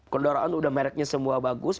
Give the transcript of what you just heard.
kendaraan udah mereknya semua bagus